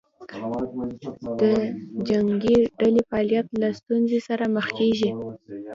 د جنګې ډلې فعالیت له ستونزې سره مخ کېږي.